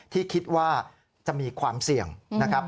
ที่คิดว่าจะมีความเสี่ยงนะครับ